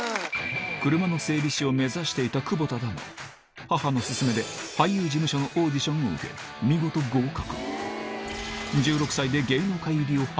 車の整備士を目指していた窪田だが母の勧めで俳優事務所のオーディションを受け見事合格